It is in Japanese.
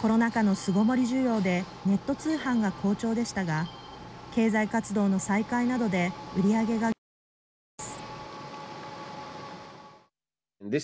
コロナ禍の巣ごもり需要でネット通販が好調でしたが経済活動の再開などで売り上げが減少しています。